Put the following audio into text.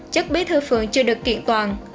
chất biết thư phường chưa được kiện toàn